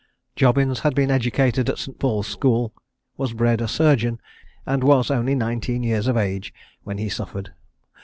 Jobbins had been educated at St. Paul's school, was bred a surgeon, and was only nineteen years of age when he suffered.